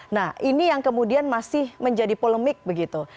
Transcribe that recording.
nah ini yang kemudian masih menjadi polemik begitu